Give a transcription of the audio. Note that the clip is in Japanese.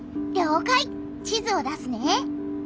地図を出すね！